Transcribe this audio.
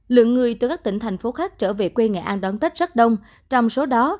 lượng người từ các tỉnh thành phố khác trở về quê nghệ an đón tết rất đông trong số đó